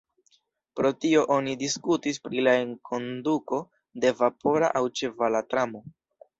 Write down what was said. Pro tio oni diskutis pri la enkonduko de vapora aŭ ĉevala tramo.